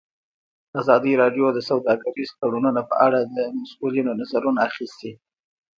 ازادي راډیو د سوداګریز تړونونه په اړه د مسؤلینو نظرونه اخیستي.